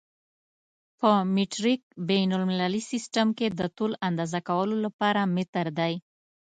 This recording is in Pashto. په مټریک بین المللي سیسټم کې د طول اندازه کولو لپاره متر دی.